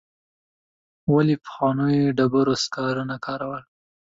ولي پخوانو د ډبرو سکاره نه کارول؟